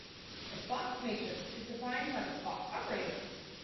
The Fock matrix is defined by the "Fock operator".